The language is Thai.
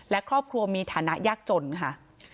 และครอบครัวมีฐานะยากจนค่ะ